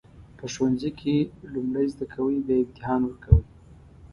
په ښوونځي کې لومړی زده کوئ بیا امتحان ورکوئ.